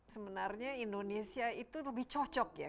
sebenarnya indonesia itu lebih cocok ya